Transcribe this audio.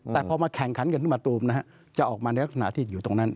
แต่พอมาแข่งขันกันขึ้นมาตูมนะฮะจะออกมาในลักษณะที่อยู่ตรงนั้น